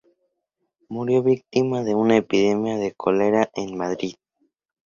Murió víctima de una epidemia de cólera en Madrid.